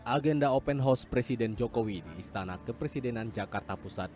agenda open house presiden jokowi di istana kepresidenan jakarta pusat